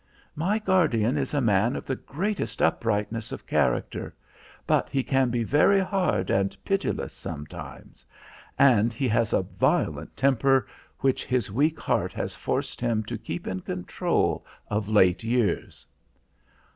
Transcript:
"My guardian is a man of the greatest uprightness of character. But he can be very hard and pitiless sometimes. And he has a violent temper which his weak heart has forced him to keep in control of late years."